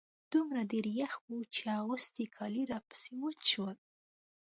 دومره ډېر يخ و چې اغوستي کالي راپسې وچ شول.